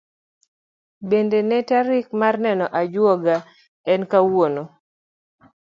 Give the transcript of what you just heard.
Bende ne tariga mar neno ajuoga en kawuono?